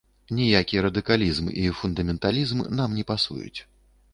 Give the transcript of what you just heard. Ніякі радыкалізм і фундаменталізм нам не пасуюць.